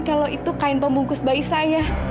kalau itu kain pembungkus bayi saya